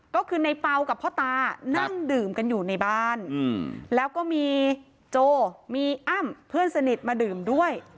ก็คือในเปล่ากับพ่อตานั่งดื่มกันอยู่ในบ้านแล้วก็มีโจมีอ้ำเพื่อนสนิทมาดื่มด้วย